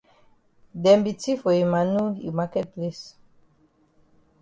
Dem be tif for Emmanu yi maket place.